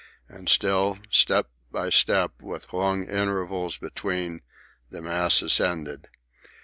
And still, step by step with long intervals between, the mass ascended.